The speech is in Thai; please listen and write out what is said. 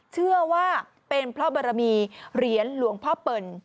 เชื่อว่าเป็นเพราะบารมีเหรียญหลวงพ่อเปิ่น